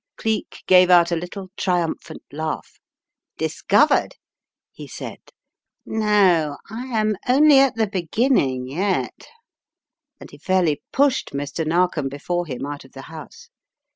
Cleek gave out a little triumphant laugh. "Discovered?" he said. "No, I am only at the beginning yet," and he fairly pushed Mr. Narkom before him out of the house.